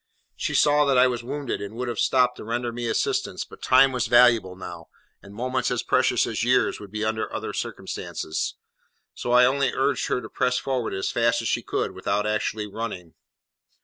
She saw that I was wounded, and would have stopped to render me assistance, but time was valuable now, and moments as precious as years would be under other circumstances: so I only urged her to press forward as fast as she could without actually running.